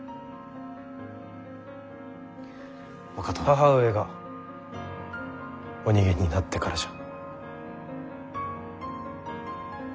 母上がお逃げになってからじゃ。